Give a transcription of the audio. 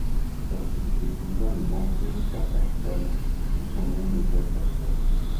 Sa fille épousa le banquier Pierre Pascal d’où son nom d’hôtel Pascal.